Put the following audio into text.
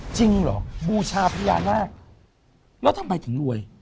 จริงเหรอบูชาพญานาคแล้วทำไมถึงรวย